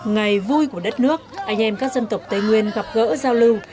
ngày vui của đất nước anh em các dân tộc tây nguyên gặp gỡ giao lưu